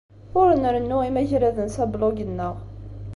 Ur nrennu imagraden s ablug-nneɣ.